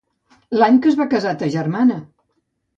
L'any que es va casar ta germana.